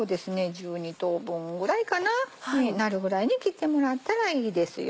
１２等分ぐらいかなになるぐらいに切ってもらったらいいですよ。